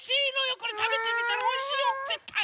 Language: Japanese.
これたべてみたらおいしいよぜったい。